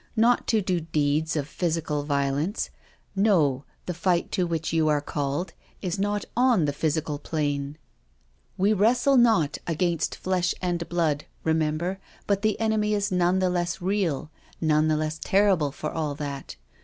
Not to do deeds of physical violence — no, the fight to which you are called is not on the physical 198 'NO SURRENDER plane. ' We wrestle not against flesh and blood/ re member, but the enemy is none the less real, none the less terrible for all that.